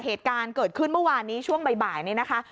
เหตุการณ์เกิดขึ้นเมื่อวานนี้ช่วงบ่ายนี้นะคะ